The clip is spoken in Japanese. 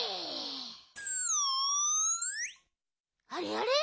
あれあれ？